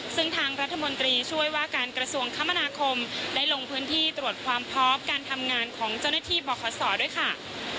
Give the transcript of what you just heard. ซึ่งทางรัฐมนตรีช่วยว่าการกระทรวงคมนาคมได้ลงพื้นที่ตรวจความพร้อมการทำงานของเจ้าหน้าที่บอกขอสอด้วยค่ะ